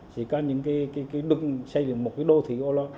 sẽ có những đường xây dựng một đô thị ô lan